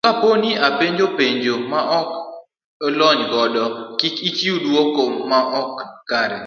To kaponi openji penjo ma ok ilony godo, kik ichiw duoko ma ok kare.